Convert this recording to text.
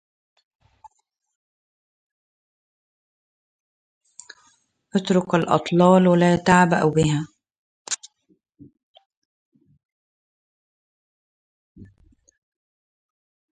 اترك الأطلال لا تعبأ بها